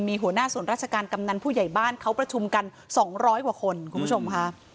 มีหัวหน้าส่วนราชการกำนันผู้ใหญ่บ้านเขาประชุมกัน๒๐๐กว่าคนคุณผู้ชมค่ะ